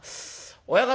親方